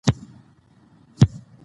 شاه شجاع د دې خبرې پروا نه کوله.